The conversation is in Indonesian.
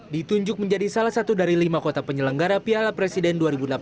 ditunjuk menjadi salah satu dari lima kota penyelenggara piala presiden dua ribu delapan belas